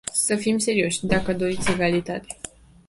Să fim serioși, dacă doriți egalitate...